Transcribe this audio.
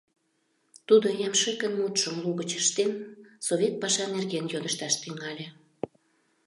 Тудо ямшыкын мутшым лугыч ыштен, совет паша нерген йодышташ тӱҥале.